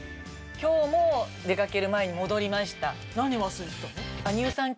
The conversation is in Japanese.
今日も出かける前に戻りました。